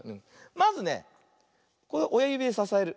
まずねおやゆびでささえる。